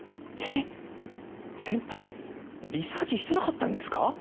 えっ先輩リサーチしてなかったんですか？